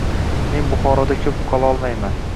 Men Buxoroda ko‘p qololmayman